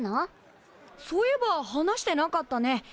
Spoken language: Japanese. そういえば話してなかったね。